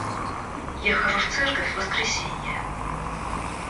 Я хожу в церковь в воскресенье.